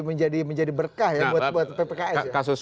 menjadi berkah ya buat pks